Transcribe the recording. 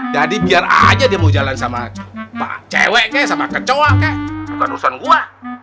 jadi biar aja dia mau jalan sama cewek sama kecoa bukan urusan gua